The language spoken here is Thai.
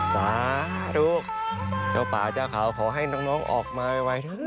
สาธุเจ้าป่าเจ้าเขาขอให้น้องออกมาไว